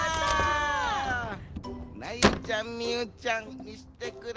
なゆちゃん・みゆちゃんみしてくれ。